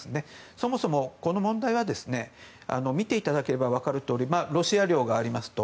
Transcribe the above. そもそもこの問題は見ていただければわかるとおりロシア領がありますと。